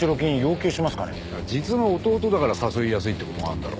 いや実の弟だから誘いやすいって事もあるだろ。